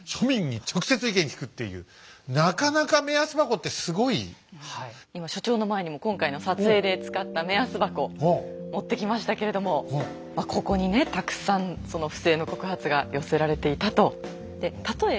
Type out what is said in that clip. なかなか今所長の前にも今回の撮影で使った目安箱持ってきましたけれどもここにねたくさんその不正の告発が寄せられていたと。